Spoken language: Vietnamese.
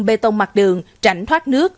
bê tông mặt đường trảnh thoát nước